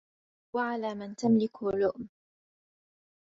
وَعَلَى مَنْ تَمْلِكُ لُؤْمٌ